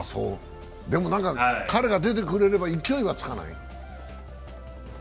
でも彼が出てくれれば勢いはつかない？